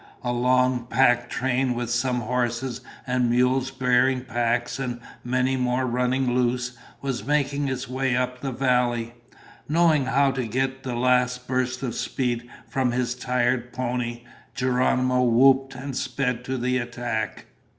A long pack train, with some horses and mules bearing packs and many more running loose, was making its way up the valley. Knowing how to get the last burst of speed from his tired pony, Geronimo whooped and sped to the attack.